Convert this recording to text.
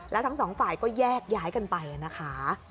แล้วทั้งสองฝ่ายก็แยกย้ายกันไปนะคะ